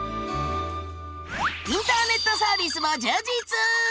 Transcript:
インターネットサービスも充実！